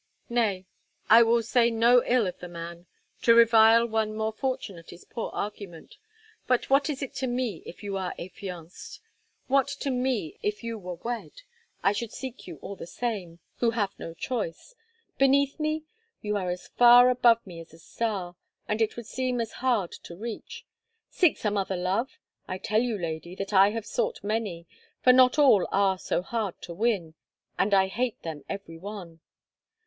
Nay, I will say no ill of the man; to revile one more fortunate is poor argument. But what is it to me if you are affianced? What to me if you were wed? I should seek you all the same, who have no choice. Beneath me? You are as far above me as a star, and it would seem as hard to reach. Seek some other love? I tell you, lady, that I have sought many, for not all are so hard to win, and I hate them every one.